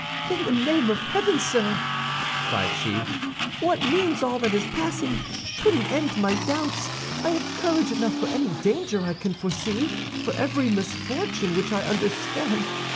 "In the name of heaven, sir," cried she, "what means all that is passing? Put an end to my doubts; I have courage enough for any danger I can foresee, for every misfortune which I understand.